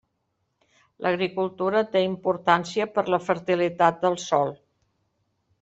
L'agricultura té importància per la fertilitat del sol.